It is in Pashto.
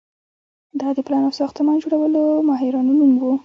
دا د پلان او ساختمان جوړولو ماهرانو نوم و.